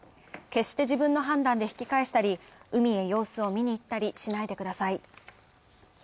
決して自分の判断で引き返したり、海へ様子を見に行ったりしないでください。